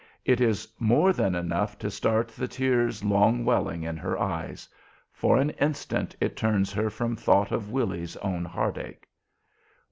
It is more than enough to start the tears long welling in her eyes. For an instant it turns her from thought of Willy's own heartache.